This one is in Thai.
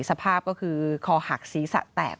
สภาพก็คือคอหักศีรษะแตก